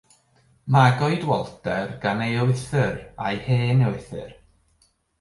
Magwyd Walter gan ei ewythr a'i hen ewythr.